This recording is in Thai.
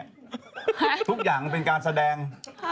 ฮะร๒๒๒สุดท่างเป็นการแสดง